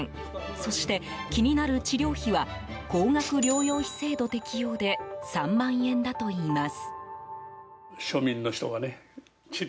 そして、気になる治療費は高額療養費制度適用で３万円だといいます。